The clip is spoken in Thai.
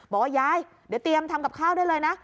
บอกว่ายายเดี๋ยวเตรียมทำกับข้าวได้เลยนะ